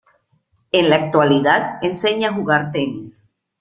En la actualidad enseña a jugar tenis.